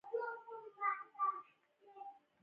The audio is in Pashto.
هېوادونه لکه برېټانیا او هالنډ پکې شامل دي.